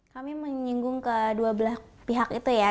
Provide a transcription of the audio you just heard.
kami menyinggung ke dua belah pihak itu ya